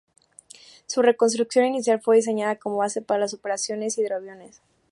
Su reconstrucción inicial fue diseñada como base para las operaciones de hidroaviones.